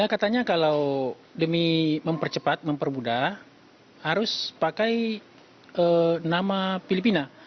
katanya kalau demi mempercepat mempermudah harus pakai nama filipina